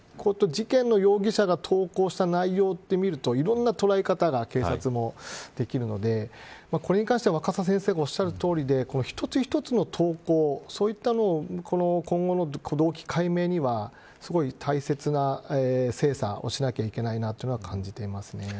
事件の容疑者が投稿した内容としてみると捉え方が警察もできるのでこれに関しては、若狭先生もおっしゃるとおりで一つ一つの投稿そういったのを今後の動機解明には大切な精査をしなければいけないということを感じています。